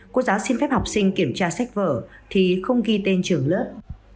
cô giáo xin phép học sinh kiểm tra sách vở thì không ghi tên trường lớp